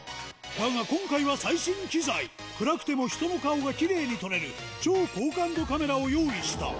だが今回は、最新機材、暗くても人の顔がきれいに撮れる超高感度カメラを用意した。